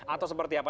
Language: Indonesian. atau seperti apa